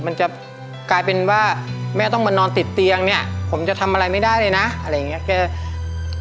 มันจะกลายเป็นว่าแม่ต้องมานอนติดเตียงเนี่ยผมจะทำอะไรไม่ได้เลยนะอะไรอย่างเงี้แก